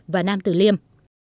và nam tử liêm